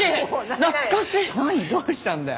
どうしたんだよ。